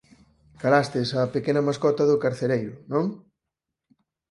Calastes á pequena mascota do carcereiro, non?